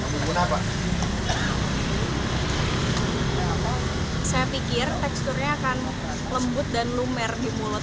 saya pikir teksturnya akan lembut dan lumer di mulut